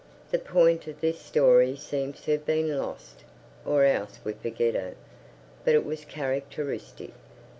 The point of this story seems to have been lost or else we forget it but it was characteristic.